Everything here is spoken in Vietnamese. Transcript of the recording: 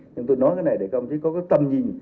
nhưng tôi nói cái này để các ông chứ có cái tầm nhìn